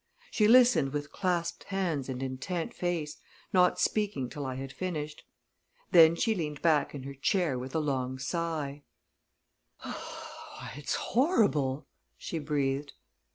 She listened with clasped hands and intent face, not speaking till I had finished. Then she leaned back in her chair with a long sigh. "Why, it's horrible!" she breathed.